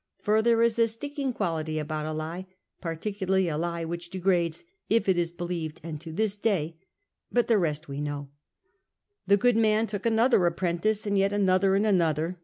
For there is a sticking quality about a lie, j^articularly a lie which degrades, if it is believed; and to this day ... but the rest we know. The good man took another apprentice, and yet another, and another.